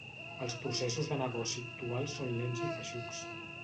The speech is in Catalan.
Els processos de negoci actuals són lents i feixucs.